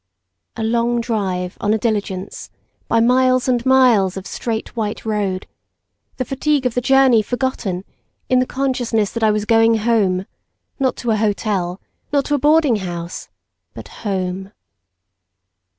A long drive on a diligence by miles and miles of straight white road—the fatigue of the journey forgotten in the consciousness that I was going home, not to an hotel, not to a boarding house, but home.